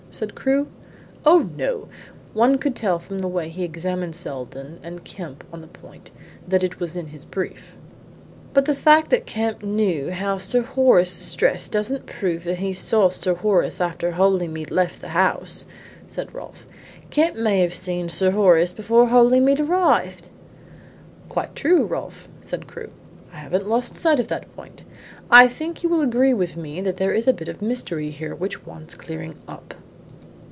said Crewe. "No, no. One could tell from the way he examined Seldon and Kemp on the point that it was in his brief." "But the fact that Kemp knew how Sir Horace was dressed doesn't prove that he saw Sir Horace after Holymead left the house," said Rolfe. "Kemp may have seen Sir Horace before Holymead arrived." "Quite true, Rolfe," said Crewe. "I haven't lost sight of that point. I think you will agree with me that there is a bit of a mystery here which wants clearing up."